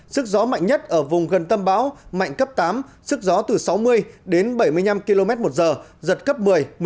sức gió mạnh nhất ở vùng gần tâm bão mạnh cấp tám sức gió từ sáu mươi đến bảy mươi năm km một giờ giật cấp một mươi một